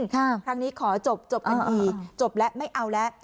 ครั้งนี้ขอจบจบทันทีจบแล้วไม่เอาแล้ว